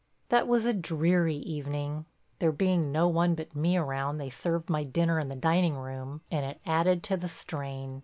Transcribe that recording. That was a dreary evening. There being no one but me around they served my dinner in the dining room, and it added to the strain.